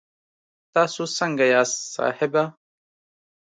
تاسو سنګه یاست صاحبه